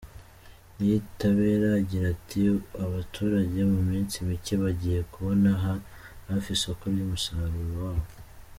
Niyitabera agira ati “Abaturage mu minsi mike bagiye kubona hafi isoko ry’umusaruro wabo.